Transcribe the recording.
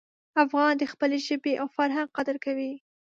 افغان د خپلې ژبې او فرهنګ قدر کوي.